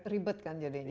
ribet kan jadinya